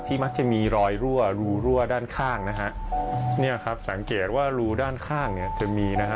ที่มักจะมีรอยรั่วรูด้านข้างสังเกตว่ารูด้านข้างจะมี